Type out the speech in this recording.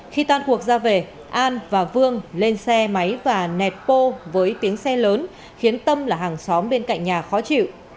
khi tan cuộc ra về an và vương lên xe máy và nẹt pô với tiếng xe lớn khiến tâm là hàng xóm bên cạnh nhà khó chịu